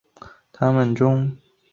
他们中的一些人曾多次访华。